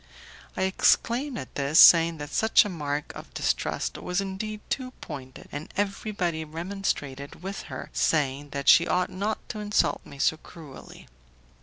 I exclaimed at this, saying that such a mark of distrust was indeed too pointed, and everybody remonstrated with her, saying that she ought not to insult me so cruelly.